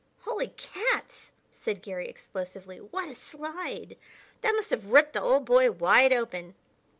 "Holy cats!" said Garry explosively, "what a slide! That must have ripped the old boy wide open."